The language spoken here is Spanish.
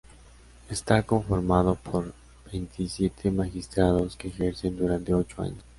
Está conformado por veintisiete magistrados que ejercen durante ocho años.